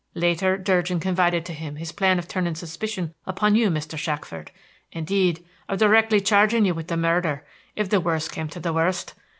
Later Durgin confided to him his plan of turning suspicion upon you, Mr. Shackford; indeed, of directly charging you with the murder, if the worst came to the worst.